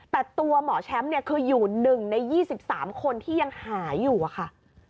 แต่ตัวหมอแชมคืออยู่หนึ่งใน๒๓คนที่ยังหายอยู่ค่ะ